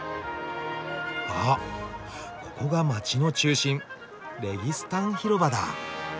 あここが街の中心「レギスタン広場」だ。